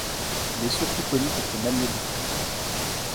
Il est surtout connu pour ses manuels de physique.